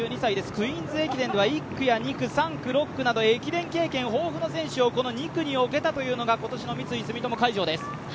クイーンズ駅伝では駅伝経験豊富の選手をこの２区に置けたというのが今年の三井住友海上です。